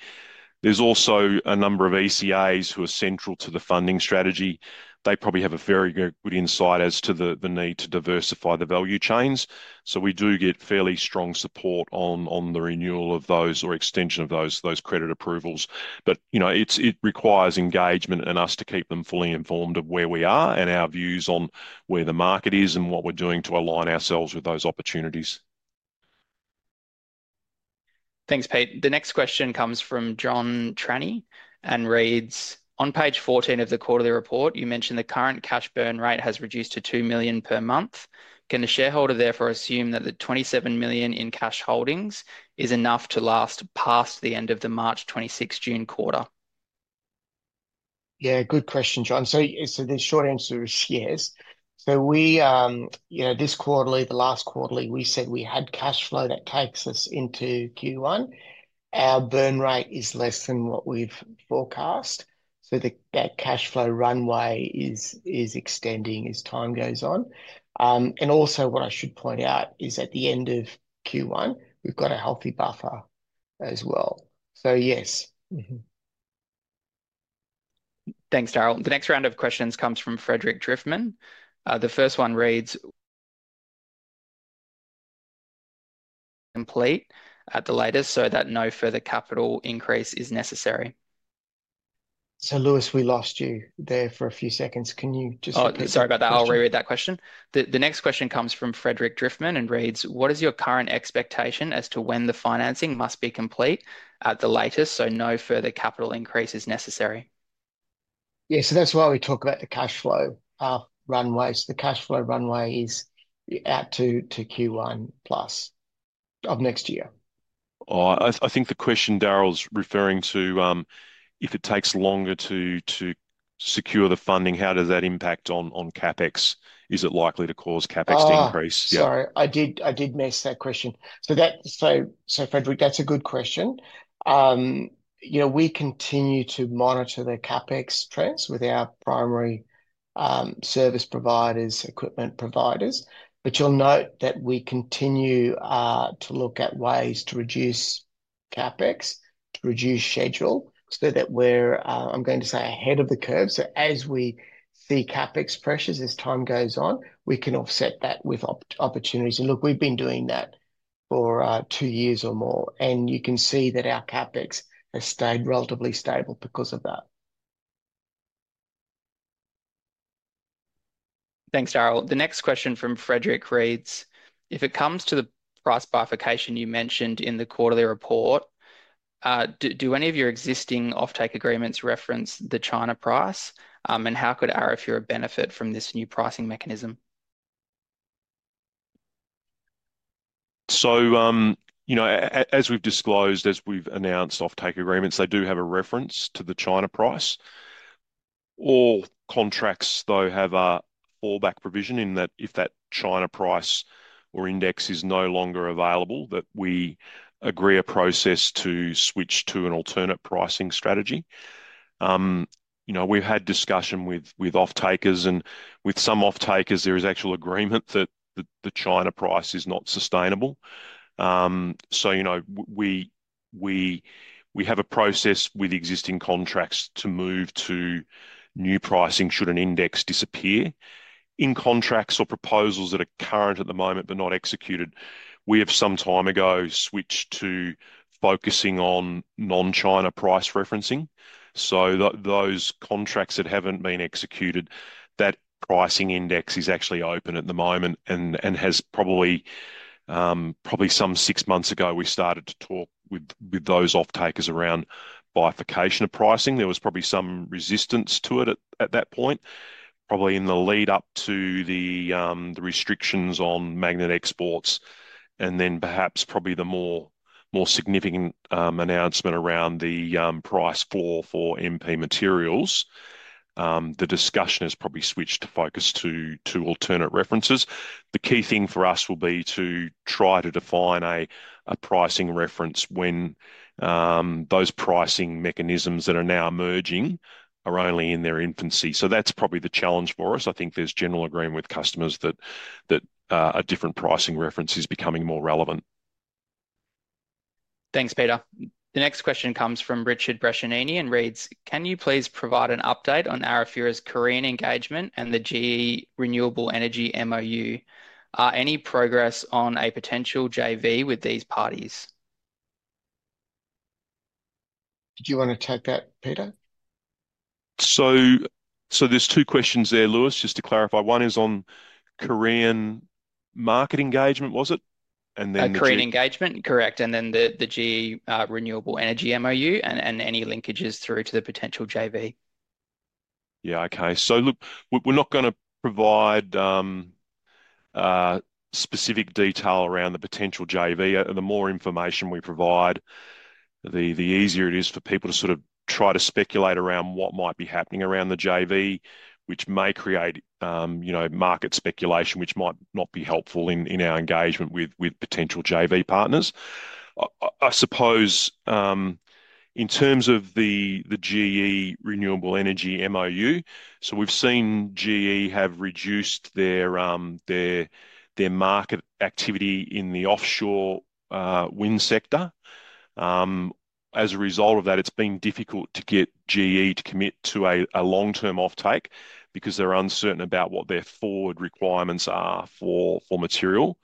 There's also a number of ECAs who are central to the funding strategy. They probably have a very good insight as to the need to diversify the value chains. We do get fairly strong support on the renewal or extension of those credit approvals. It requires engagement from us to keep them fully informed of where we are and our views on where the market is and what we're doing to align ourselves with those opportunities. Thanks, Pete. The next question comes from John Tranny and reads, "On page 14 of the quarterly report, you mentioned the current cash burn rate has reduced to $2 million per month. Can the shareholder therefore assume that the $27 million in cash holdings is enough to last past the end of the March 2026 June quarter? Yeah, good question, John. The short answer is yes. This quarterly, the last quarterly, we said we had cash flow that takes us into Q1. Our burn rate is less than what we've forecast, so that cash flow runway is extending as time goes on. What I should point out is at the end of Q1, we've got a healthy buffer as well. Yes. Thanks, Darryl. The next round of questions comes from Frederick Driftman. The first one reads, "Complete at the latest so that no further capital increase is necessary. Lewis, we lost you there for a few seconds. Can you just? Sorry about that. I'll reread that question. The next question comes from Frederick Driftman and reads, "What is your current expectation as to when the financing must be complete at the latest so no further capital increase is necessary? Yeah, that's why we talk about the cash flow runways. The cash flow runway is out to Q1 plus of next year. I think the question Darryl's referring to, if it takes longer to secure the funding, how does that impact on CapEx? Is it likely to cause CapEx to increase? Sorry, I did miss that question. Frederick, that's a good question. We continue to monitor the CapEx trends with our primary service providers and equipment providers. You'll note that we continue to look at ways to reduce CapEx and reduce schedule so that we're, I'm going to say, ahead of the curve. As we see CapEx pressures as time goes on, we can offset that with opportunities. We've been doing that for two years or more, and you can see that our CapEx has stayed relatively stable because of that. Thanks, Darryl. The next question from Frederick reads, "If it comes to the price bifurcation you mentioned in the quarterly report, do any of your existing offtake agreements reference the China price? How could Arafura benefit from this new pricing mechanism? As we've disclosed, as we've announced offtake agreements, they do have a reference to the China price. All contracts, though, have an all-back provision in that if that China price or index is no longer available, we agree a process to switch to an alternate pricing strategy. We've had discussion with offtakers, and with some offtakers, there is actual agreement that the China price is not sustainable. We have a process with existing contracts to move to new pricing should an index disappear. In contracts or proposals that are current at the moment but not executed, we have some time ago switched to focusing on non-China price referencing. Those contracts that haven't been executed, that pricing index is actually open at the moment and has probably, probably some six months ago, we started to talk with those offtakers around bifurcation of pricing. There was probably some resistance to it at that point, probably in the lead-up to the restrictions on magnet exports. Perhaps the more significant announcement around the price for MP Materials, the discussion has probably switched to focus to alternate references. The key thing for us will be to try to define a pricing reference when those pricing mechanisms that are now emerging are only in their infancy. That's probably the challenge for us. I think there's general agreement with customers that a different pricing reference is becoming more relevant. Thanks, Peter. The next question comes from Richard Brescianini and reads, "Can you please provide an update on Arafura's Korean engagement and the GE Renewable Energy MoU? Are any progress on a potential JV with these parties? Do you want to take that, Peter? There are two questions there, Lewis, just to clarify. One is on Korean market engagement, was it? Korean engagement, correct, and then the GE Renewable Energy MoU and any linkages through to the potential JV. Yeah, okay. We're not going to provide specific detail around the potential JV. The more information we provide, the easier it is for people to try to speculate around what might be happening around the JV, which may create market speculation, which might not be helpful in our engagement with potential JV partners. I suppose in terms of the GE Renewable Energy MoU, we've seen GE have reduced their market activity in the offshore wind sector. As a result of that, it's been difficult to get GE to commit to a long-term offtake because they're uncertain about what their forward requirements are for material.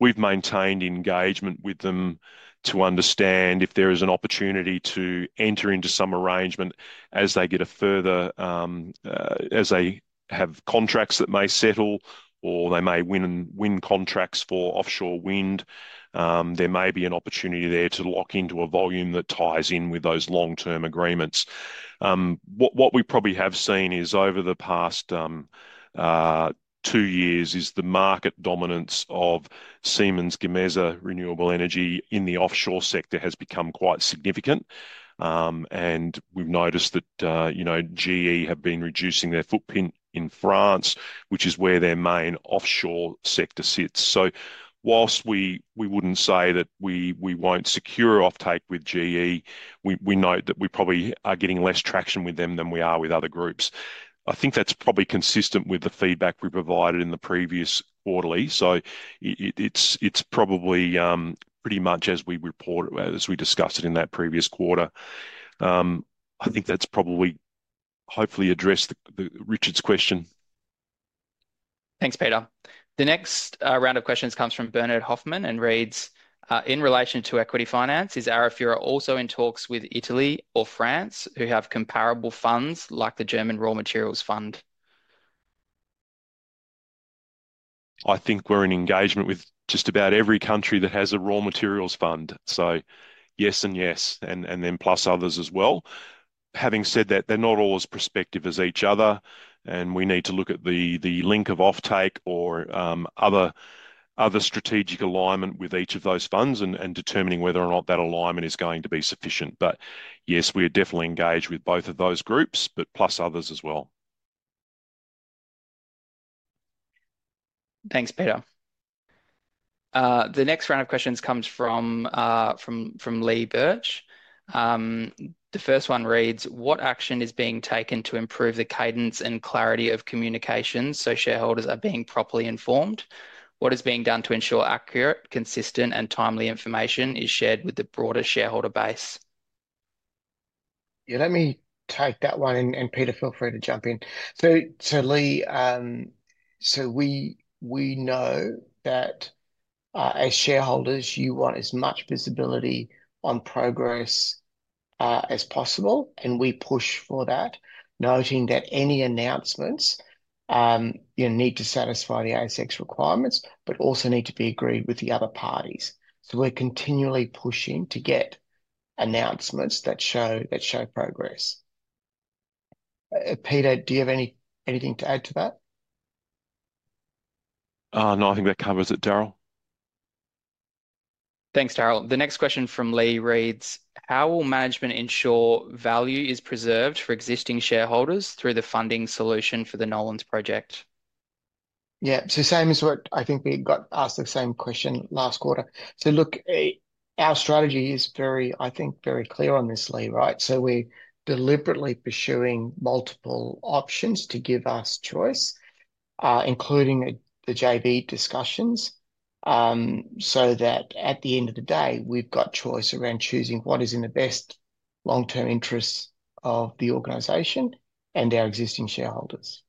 We've maintained engagement with them to understand if there is an opportunity to enter into some arrangement as they have contracts that may settle or they may win contracts for offshore wind. There may be an opportunity there to lock into a volume that ties in with those long-term agreements. What we probably have seen over the past two years is the market dominance of Siemens Gamesa Renewable Energy in the offshore sector has become quite significant. We've noticed that GE have been reducing their footprint in France, which is where their main offshore sector sits. Whilst we wouldn't say that we won't secure offtake with GE, we note that we probably are getting less traction with them than we are with other groups. I think that's probably consistent with the feedback we provided in the previous quarterly. It's probably pretty much as we report, as we discussed it in that previous quarter. I think that's probably hopefully addressed Richard's question. Thanks, Peter. The next round of questions comes from Bernard Ho and reads, "In relation to equity finance, is Arafura also in talks with Italy or France who have comparable funds like the German Raw Materials Fund? I think we're in engagement with just about every country that has a Raw Materials Fund. Yes and yes, and then plus others as well. Having said that, they're not all as prospective as each other, and we need to look at the link of offtake or other strategic alignment with each of those funds and determining whether or not that alignment is going to be sufficient. Yes, we are definitely engaged with both of those groups, plus others as well. Thanks, Peter. The next round of questions comes from Lee Birch and the first one reads, "What action is being taken to improve the cadence and clarity of communications so shareholders are being properly informed? What is being done to ensure accurate, consistent, and timely information is shared with the broader shareholder base? Yeah, let me take that one, and Peter, feel free to jump in. Lee, we know that as shareholders, you want as much visibility on progress as possible, and we push for that, noting that any announcements need to satisfy the ASX requirements, but also need to be agreed with the other parties. We're continually pushing to get announcements that show progress. Peter, do you have anything to add to that? No, I think that covers it, Darryl. Thanks, Darryl. The next question from Lee reads, "How will management ensure value is preserved for existing shareholders through the funding solution for the Nolans Project? Yeah, same as what I think we got asked the same question last quarter. Our strategy is very, I think, very clear on this, Lee, right? We're deliberately pursuing multiple options to give us choice, including the JV discussions, so that at the end of the day, we've got choice around choosing what is in the best long-term interests of the organization and our existing shareholders.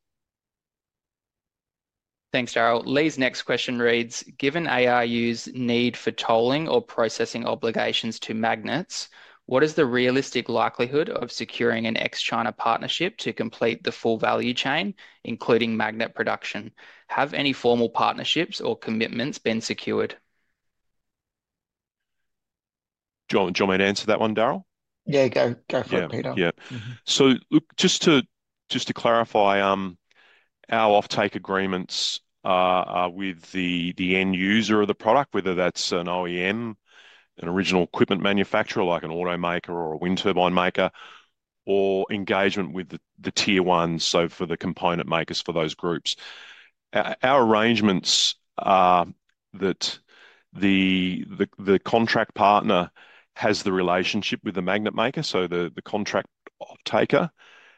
Thanks, Darryl. Lee's next question reads, "Given AI use need for tolling or processing obligations to magnets, what is the realistic likelihood of securing an ex-China partnership to complete the full value chain, including magnet production? Have any formal partnerships or commitments been secured? Do you want me to answer that one, Darryl? Yeah, go for it, Peter. Yeah, yeah. Just to clarify, our offtake agreements are with the end user of the product, whether that's an OEM, an original equipment manufacturer like an automaker or a wind turbine maker, or engagement with the tier ones, for the component makers for those groups. Our arrangements are that the contract partner has the relationship with the magnet maker, so the contract offtaker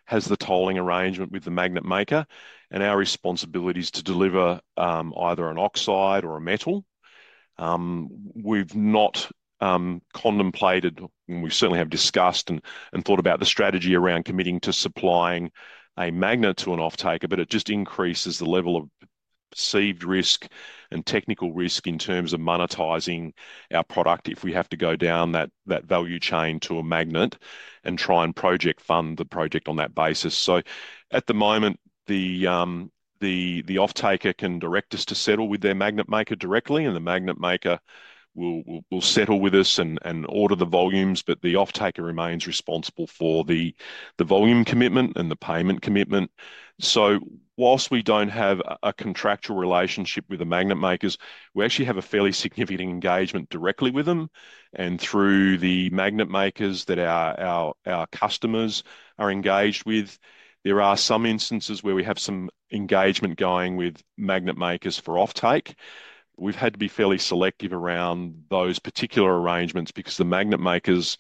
has the tolling arrangement with the magnet maker, and our responsibility is to deliver either an oxide or a metal. We've not contemplated, and we certainly have discussed and thought about the strategy around committing to supplying a magnet to an offtaker, but it just increases the level of perceived risk and technical risk in terms of monetizing our product if we have to go down that value chain to a magnet and try and project fund the project on that basis. At the moment, the offtaker can direct us to settle with their magnet maker directly, and the magnet maker will settle with us and order the volumes, but the offtaker remains responsible for the volume commitment and the payment commitment. Whilst we don't have a contractual relationship with the magnet makers, we actually have a fairly significant engagement directly with them. Through the magnet makers that our customers are engaged with, there are some instances where we have some engagement going with magnet makers for offtake. We've had to be fairly selective around those particular arrangements because the magnet makers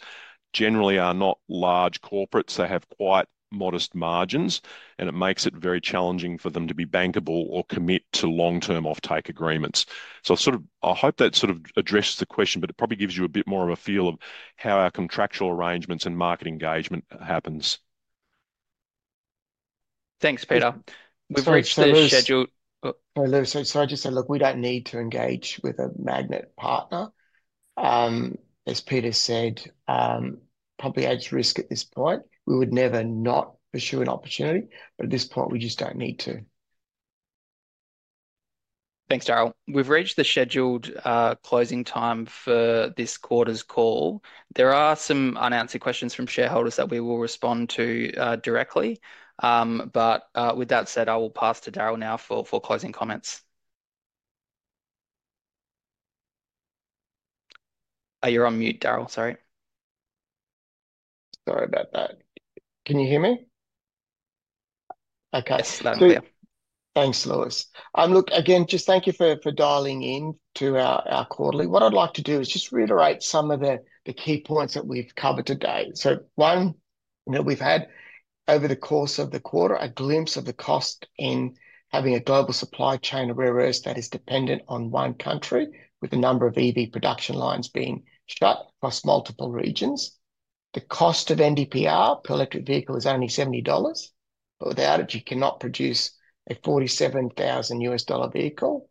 generally are not large corporates. They have quite modest margins, and it makes it very challenging for them to be bankable or commit to long-term offtake agreements. I hope that sort of addresses the question, but it probably gives you a bit more of a feel of how our contractual arrangements and market engagement happens. Thanks, Peter. We've already said a schedule. Sorry, Lewis, I just said, look, we don't need to engage with a magnet partner. As Peter said, probably adds risk at this point. We would never not pursue an opportunity, but at this point, we just don't need to. Thanks, Darryl. We've reached the scheduled closing time for this quarter's call. There are some unanswered questions from shareholders that we will respond to directly. With that said, I will pass to Darryl now for closing comments. Oh, you're on mute, Darryl. Sorry. Sorry about that. Can you hear me? Okay. Yes, loud and clear. Thanks, Lewis. Look, again, just thank you for dialing in to our quarterly. What I'd like to do is just reiterate some of the key points that we've covered today. One that we've had over the course of the quarter, a glimpse of the cost in having a global supply chain of rare earths that is dependent on one country, with the number of EV production lines being shut across multiple regions. The cost of neodymium-praseodymium oxide per electric vehicle is only $70. Without it, you cannot produce a $47,000 vehicle.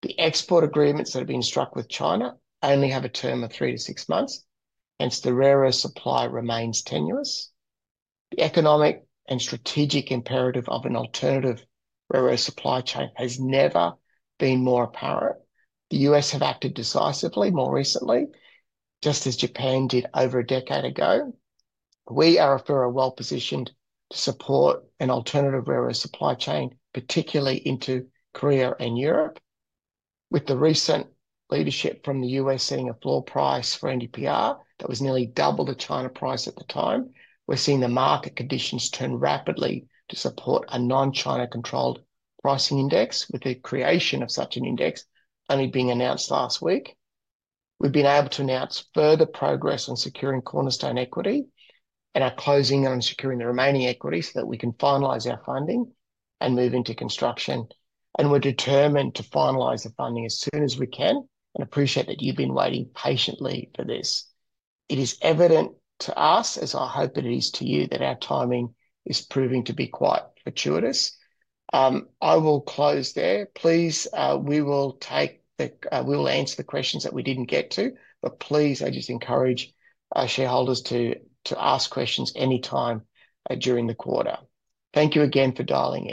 The export agreements that have been struck with China only have a term of three to six months. Hence, the rare earth supply remains tenuous. The economic and strategic imperative of an alternative rare earth supply chain has never been more apparent. The U.S. have acted decisively more recently, just as Japan did over a decade ago. We are well-positioned to support an alternative rare earth supply chain, particularly into Korea and Europe. With the recent leadership from the U.S. setting a floor price for neodymium-praseodymium oxide that was nearly double the China price at the time, we're seeing the market conditions turn rapidly to support a non-China controlled pricing index, with the creation of such an index only being announced last week. We've been able to announce further progress on securing cornerstone equity and are closing on securing the remaining equity so that we can finalize our funding and move into construction. We're determined to finalize the funding as soon as we can and appreciate that you've been waiting patiently for this. It is evident to us, as I hope it is to you, that our timing is proving to be quite fortuitous. I will close there. Please, we will answer the questions that we didn't get to, but please, I just encourage shareholders to ask questions anytime during the quarter. Thank you again for dialing in.